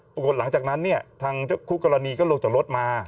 ปรากฏหลังจากนั้นเนี่ยทางคู่กรณีก็ลงจากรถมา